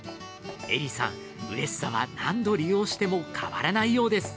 えりさん、うれしさは何度利用しても変わらないようです。